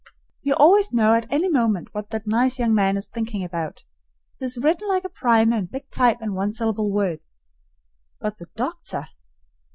You always know at any moment what that nice young man is thinking about; he is written like a primer in big type and one syllable words. But the doctor!